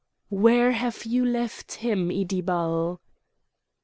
"Where have you left him, Iddibal?"